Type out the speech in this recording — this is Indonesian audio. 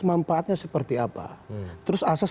manfaatnya seperti apa terus asas